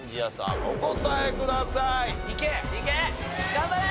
頑張れ！